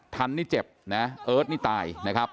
ทันนี่เจ็บนะเอิร์ทนี่ตายนะครับ